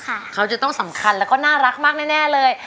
เขาจะต้องสำคัญแล้วก็น่ารักมากแน่แน่เลย